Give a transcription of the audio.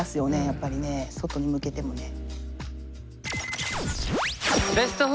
やっぱりね外に向けてもね。